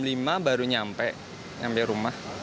bisa jam lima baru nyampe nyampe rumah